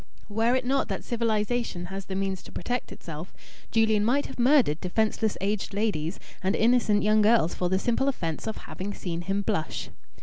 Were it not that civilization has the means to protect itself, Julian might have murdered defenceless aged ladies and innocent young girls for the simple offence of having seen him blush.